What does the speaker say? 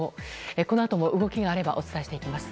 このあとも動きがあればお伝えしていきます。